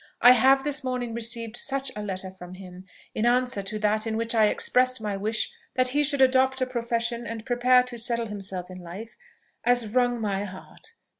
I have this morning received such a letter from him, in answer to that in which I expressed my wish that he should adopt a profession and prepare to settle himself in life, as wrung my heart.